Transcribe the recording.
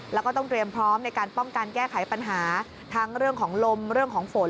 แล้วก็ต้องเตรียมพร้อมในการป้องกันแก้ไขปัญหาทั้งเรื่องของลมเรื่องของฝน